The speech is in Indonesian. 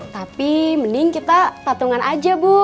tapi mending kita tatungan aja bu